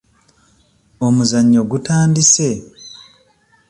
Omuzannyo gutandise?